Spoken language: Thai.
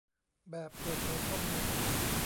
แบบเปิดเผยข้อมูล